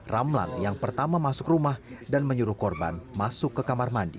ramlan yang pertama masuk rumah dan menyuruh korban masuk ke kamar mandi